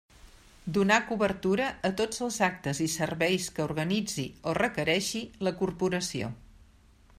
Donar cobertura a tots els actes i serveis que organitzi o requereixi la corporació.